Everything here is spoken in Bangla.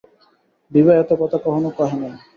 বিভা এত কথা কখনো কহে নাই।